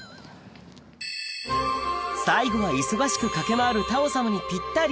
最後は忙しく駆け回る太鳳様にぴったり？